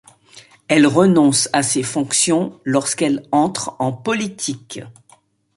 Elle renonce à ses fonctions lorsqu'elle entre en politique.